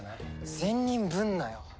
善人ぶんなよ。